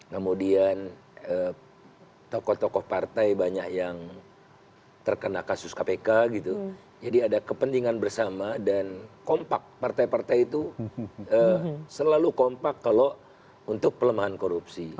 kemudian tokoh tokoh partai banyak yang terkena kasus kpk gitu jadi ada kepentingan bersama dan kompak partai partai itu selalu kompak kalau untuk pelemahan korupsi